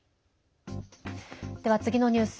では、次のニュース。